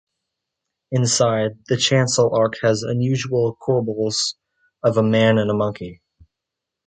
Inside, the chancel arch has unusual corbels of a man and a monkey.